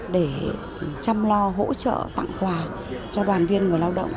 để chăm lo hỗ trợ tặng quà cho đoàn viên người lao động